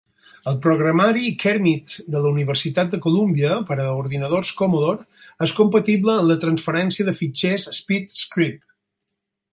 El programari Kermit de la Universitat de Columbia per a ordinadors Commodore és compatible amb la transferència de fitxers SpeedScript.